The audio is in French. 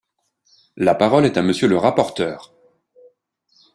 La parole est à Monsieur le rapporteur.